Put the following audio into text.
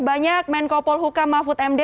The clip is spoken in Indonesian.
banyak menko polhukam mahfud md